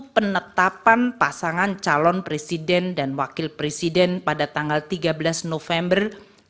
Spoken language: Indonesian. penetapan pasangan calon presiden dan wakil presiden pada tanggal tiga belas november dua ribu dua puluh